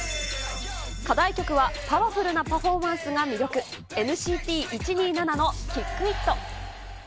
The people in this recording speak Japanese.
課題曲は、パワフルなパフォーマンスが魅力、ＮＣＴ１２７のキックイット。